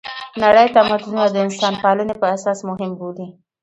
نړۍ تمدونونه د انسانپالنې په اساس مهم بولي.